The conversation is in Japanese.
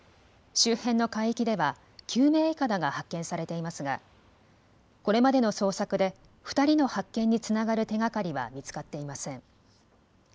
周辺の海域では救命いかだが発見されていますがこれまでの捜索で２人の発見につながる手がかりは見つかっていません。